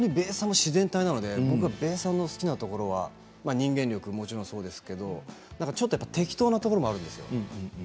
自然体なので好きなところは人間力はもちろんそうですけどちょっと適当なところもあるんですよ。